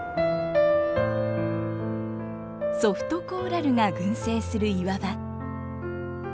ソフトコーラルが群生する岩場。